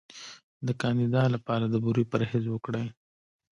د کاندیدا لپاره د بورې پرهیز وکړئ